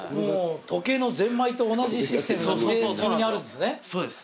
時計のぜんまいと同じシステムが店中にあるんですね。